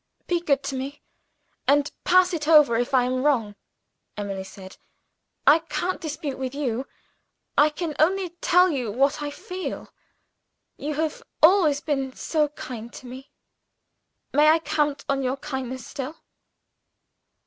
"Be good to me, and pass it over if I am wrong," Emily said: "I can't dispute with you; I can only tell you what I feel. You have always been so kind to me may I count on your kindness still?"